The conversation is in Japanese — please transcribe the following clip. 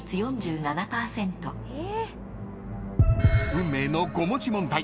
［運命の５文字問題］